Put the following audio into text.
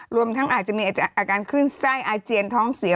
รวมทั้งอาการเคลื่อนไส้อายเจียนท้องเสีย